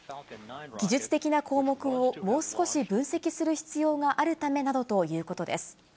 技術的な項目をもう少し分析する必要があるためなどということです。